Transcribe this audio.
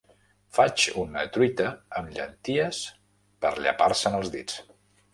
Faig una truita amb llenties per llepar-se'n els dits.